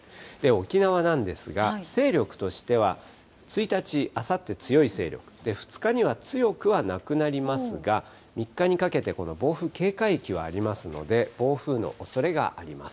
沖縄なんですが、勢力としては、１日あさって、強い勢力、２日には強くはなくなりますが、３日にかけてこの暴風警戒域はありますので、暴風のおそれがあります。